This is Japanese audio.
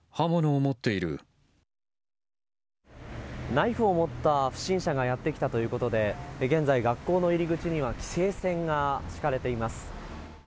ナイフを持った不審者がやってきたということで現在、学校の入り口には規制線が敷かれています。